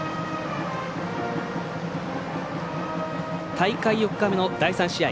大会４日目の第３試合。